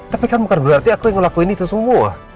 tapi kan bukan berarti aku yang ngelakuin itu semua